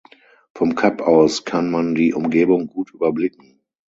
Vom Kap aus kann man die Umgebung gut überblicken.